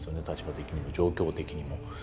立場的にも状況的にも。